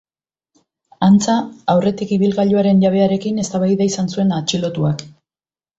Antza, aurretik ibilgailuaren jabearekin eztabaida izan zuen atxilotuak.